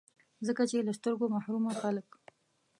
ځکه چي له سترګو محرومه خلګ